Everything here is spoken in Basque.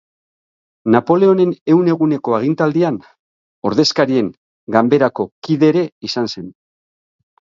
Napoleonen Ehun Eguneko agintaldian, Ordezkarien Ganberako kide ere izan zen.